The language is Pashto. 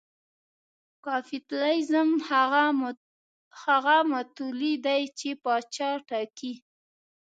کاپیتالېزم هغه متولي دی چې پاچا ټاکي.